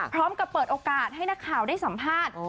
พร้อมกับเปิดโอกาสให้นักข่าวได้สัมภาษณ์